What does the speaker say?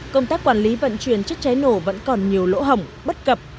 công tác quản lý vận chuyển chất cháy nổ vẫn còn nhiều lỗ hỏng bất cập